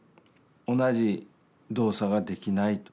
同じ動作ができない。